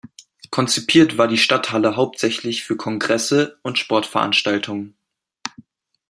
Konzipiert war die Stadthalle hauptsächlich für Kongresse und Sportveranstaltungen.